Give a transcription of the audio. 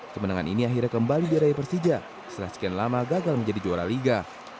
kemenangan ini akhirnya kembali diraih persija setelah sekian lama gagal menjadi juara liga